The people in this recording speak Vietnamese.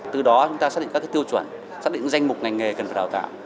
từ đó chúng ta xác định các tiêu chuẩn xác định danh mục ngành nghề cần phải đào tạo